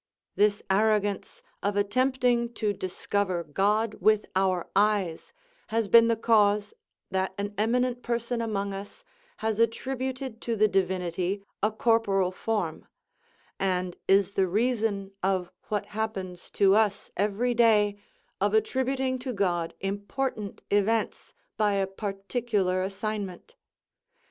This arrogance of attempting to discover God with our eyes has been the cause that an eminent person among us has attributed to the Divinity a corporal form; and is the reason of what happens to us every day, of attributing to God important events, by a particular assignment.